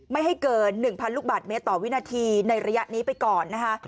ไม่ให้เกิน๑๐๐ลูกบาทเมตรต่อวินาทีในระยะนี้ไปก่อนนะคะ